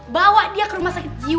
bawa dia ke rumah sakit jiwa